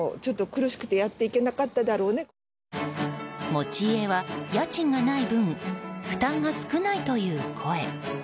持ち家は家賃がない分負担が少ないという声。